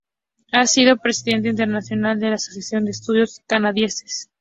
Ha sido Presidente Internacional de la Asociación de Estudios Canadienses.